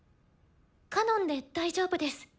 「カノン」で大丈夫です。